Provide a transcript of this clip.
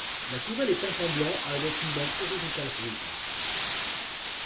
La tourelle est peinte en blanc avec une bande horizontale rouge.